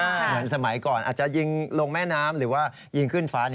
เหมือนสมัยก่อนอาจจะยิงลงแม่น้ำหรือว่ายิงขึ้นฟ้า